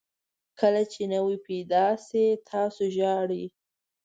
کله چې نوی پیدا شئ تاسو ژاړئ.